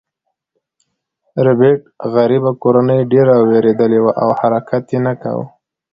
د ربیټ غریبه کورنۍ ډیره ویریدلې وه او حرکت یې نه کاوه